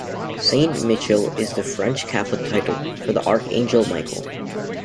Saint-Michel is the French Catholic title for the archangel Michael.